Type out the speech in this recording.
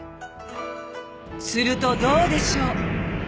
「するとどうでしょう！」